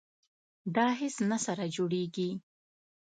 دا هیڅ نه سره جوړیږي.